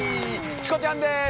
チコちゃんです！